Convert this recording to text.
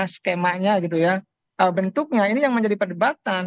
skemanya gitu ya bentuknya ini yang menjadi perdebatan